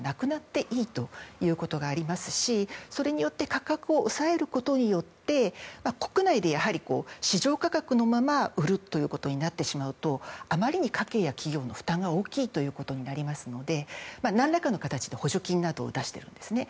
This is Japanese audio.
価格を抑えることによって国内で市場価格のまま売るということになってしまうとあまりに家計や企業の負担が大きいということになりますから何らかの形で補助金などを出してるんですね。